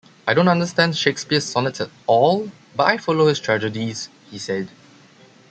"I don't understand Shakespeare's sonnets at all, but I follow his tragedies," he said.